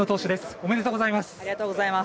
おめでとうございます。